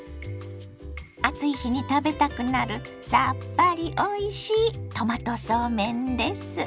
暑い日に食べたくなるさっぱりおいしいトマトそうめんです。